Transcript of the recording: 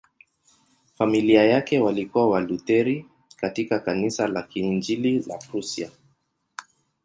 Familia yake walikuwa Walutheri katika Kanisa la Kiinjili la Prussia.